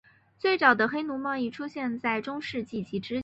最早的黑奴贸易出现在中世纪及之前。